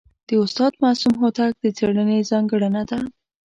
د استاد معصوم هوتک د څېړني ځانګړنه ده.